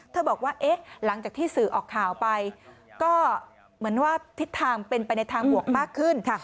บอกว่าหลังจากที่สื่อออกข่าวไปก็เหมือนว่าทิศทางเป็นไปในทางบวกมากขึ้น